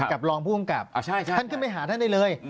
รองผู้กำกับท่านขึ้นไปหาท่านได้เลย